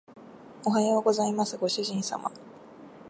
おはようございますご主人様